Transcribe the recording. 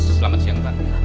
selamat siang pak